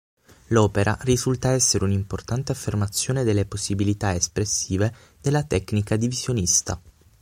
L’opera risulta essere un’importante affermazione delle possibilità espressive della tecnica divisionista.